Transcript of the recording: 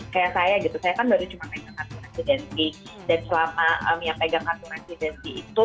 kayak saya saya kan baru cuma pegang vaksin vaksin dan selama yang pegang vaksin itu